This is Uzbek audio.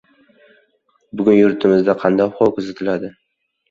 Bugun yurtimizda qanday ob-havo kuzatiladi